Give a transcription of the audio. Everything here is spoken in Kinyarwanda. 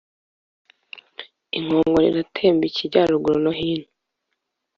Inkongoro iratemba ikijyaruguru no hino